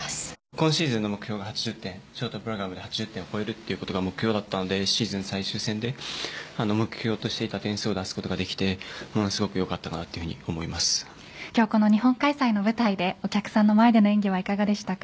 今シーズンの目標が８０点ショートプログラムで８０点を超えることが目標だったのでシーズン最終戦で目標としていた点数を出すことができて今日、この日本開催の舞台でお客さんの前での演技はいかがでしたか？